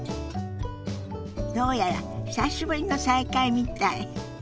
どうやら久しぶりの再会みたい。